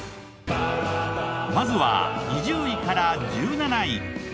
まずは２０位から１７位。